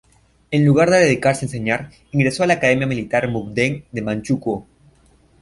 En lugar de dedicarse a enseñar, ingresó a la Academia Militar Mukden de Manchukuo.